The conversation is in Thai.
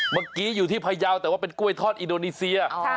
เมื่อกี้อยู่ที่พยาวแต่ว่าเป็นกล้วยทอดอินโดนีเซีย